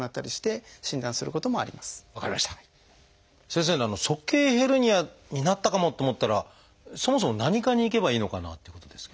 先生鼠径ヘルニアになったかもと思ったらそもそも何科に行けばいいのかなっていうことですけど。